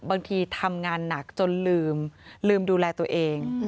บางทีทำงานหนักจนลืมลืมดูแลตัวเอง